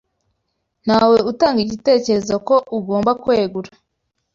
Ntawe utanga igitekerezo ko ugomba kwegura.